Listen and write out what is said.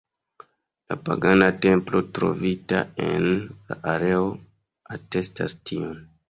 La pagana templo trovita en la areo atestas tion.